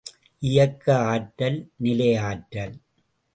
இயக்க ஆற்றல், நிலையாற்றல்.